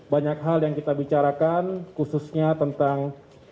banyak hal yang kita bicarakan khususnya tentang